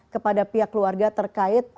kepada pihak keluarga terkait